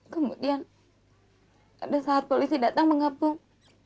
kemudian pada saat polisi datang mengepung